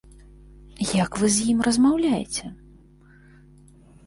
Як вы з ім размаўляеце?